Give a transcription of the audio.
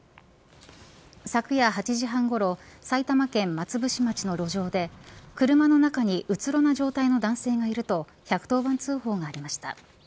昨夜８時半ごろ埼玉県松伏町の路上で車の中にうつろな状態の男性がいると１１０番通報がありました。